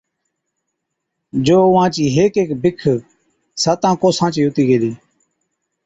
جو اُونهان چِي هيڪ هيڪ بِک ساتان ڪوسان چِي هُتِي گيلِي۔